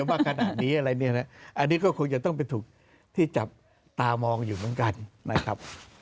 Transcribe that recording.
อันนี้ก็คงจะต้องเป็นถุกที่จับตามองอยู่เหมือนกันนะครับ